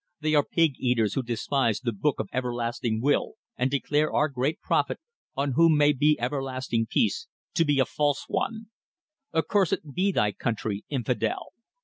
"They are pig eaters who despise the Book of Everlasting Will and declare our great Prophet on whom may be everlasting peace to be a false one. Accursed be thy country, infidel!